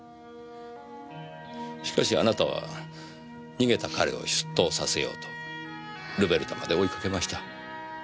しかしあなたは逃げた彼を出頭させようとルベルタまで追いかけました。